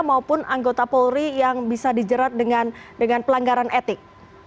maupun anggota polri yang bisa dijerat dengan pelanggaran etik